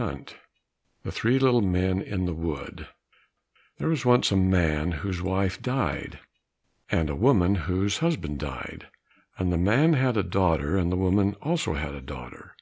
13 The Three Little Men in the Wood There was once a man whose wife died, and a woman whose husband died, and the man had a daughter, and the woman also had a daughter.